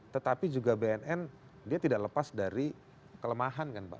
tetapi juga bnn dia tidak lepas dari kelemahan kan pak